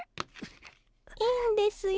いいんですよ。